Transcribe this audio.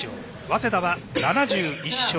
早稲田は７１勝。